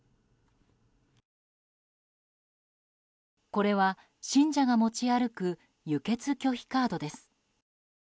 これは、信者が持ち歩く輸血拒否カードです。